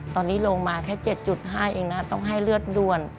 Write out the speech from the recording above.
ตอนนี้ลงมาแค่๗๕เองนะต้องให้เลือดด่วน